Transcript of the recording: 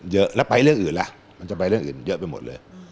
เยอะแล้วไปเรื่องอื่นล่ะมันจะไปเรื่องอื่นเยอะไปหมดเลย